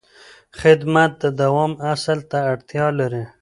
خدمت د دوام اصل ته اړتیا لري.